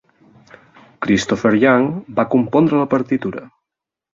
Christopher Young va compondre la partitura.